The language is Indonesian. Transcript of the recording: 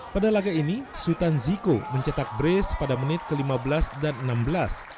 pada laga ini sultan ziko mencetak brace pada menit ke lima belas dan enam belas